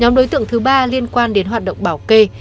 nhóm đối tượng thứ ba liên quan đến hoạt động bảo kê